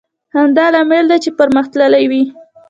همدا لامل دی چې پرمختللی وي.